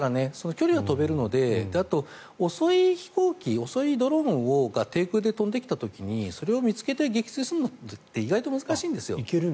距離は飛べるのであと、遅い飛行機遅いドローンが低空で飛んできた時にそれを見つけて撃墜するのって意外と難しいんですよ。